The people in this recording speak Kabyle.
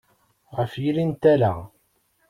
Ɣef yiri n tala.